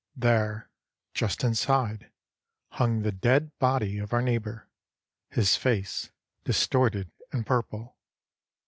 There, just inside, hung the dead body of our neighbor, his face distorted and purple.